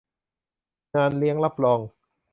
งานเลี้ยงรับรอง